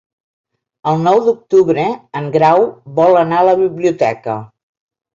El nou d'octubre en Grau vol anar a la biblioteca.